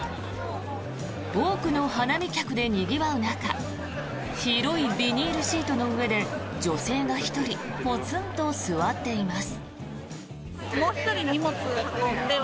多くの花見客でにぎわう中広いビニールシートの上で女性が１人ぽつんと座っています。